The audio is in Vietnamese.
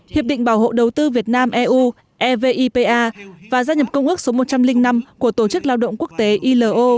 hiệp định bảo hộ đầu tư việt nam eu evipa và gia nhập công ước số một trăm linh năm của tổ chức lao động quốc tế ilo